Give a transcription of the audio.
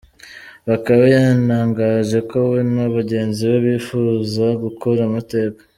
Bakame yatangaje ko we na bagenzi be bifuza gukora amateka.